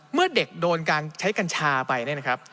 เมื่อเด็กโดนการใช้กัญชาไปเนี่ยนะครับ